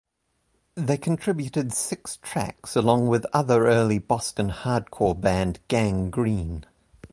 They contributed six tracks along with other early Boston Hardcore band Gang Green.